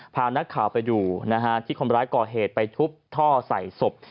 พานักข่าวไปดูนะฮะที่คนร้ายก่อเหตุไปทุบท่อใส่ศพ